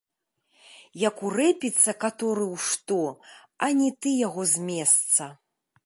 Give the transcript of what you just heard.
Як урэпіцца каторы ў што, ані ты яго з месца.